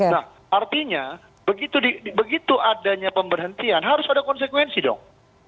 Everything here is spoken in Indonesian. nah artinya begitu adanya pemberhentian harus ada konsekuensi dong